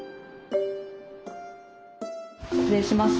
失礼します。